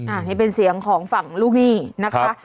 อันนี้เป็นเสียงของฝั่งลูกหนี้นะคะ